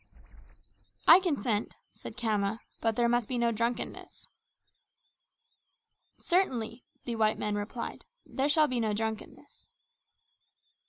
"I consent," said Khama, "but there must be no drunkenness." "Certainly," the white men replied, "there shall be no drunkenness."